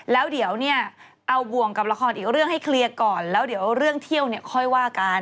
แล้วเดี๋ยวเนี่ยเอาบ่วงกับละครอีกเรื่องให้เคลียร์ก่อนแล้วเดี๋ยวเรื่องเที่ยวเนี่ยค่อยว่ากัน